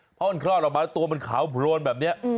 เพราะมันคลอดออกมาตัวมันขาวโพรนแบบนี้